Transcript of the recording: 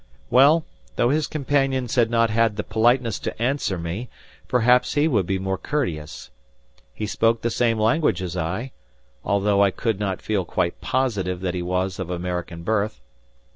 Well, though his companions had not had the politeness to answer me, perhaps he would be more courteous. He spoke the same language as I, although I could not feel quite positive that he was of American birth.